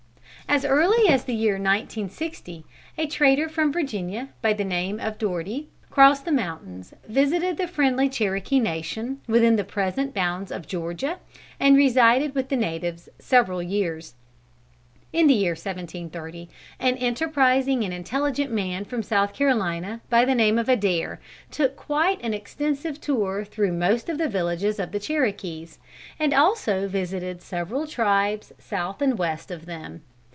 As early as the year 1690 a trader from Virginia, by the name of Doherty, crossed the mountains, visited the friendly Cherokee nation, within the present bounds of Georgia, and resided with the natives several years. In the year 1730 an enterprising and intelligent man from South Carolina, by the name of Adair, took quite an extensive tour through most of the villages of the Cherokees, and also visited several tribes south and west of them.